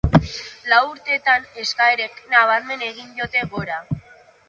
Lau urtetan eskaerek nabarmen egin diote gora.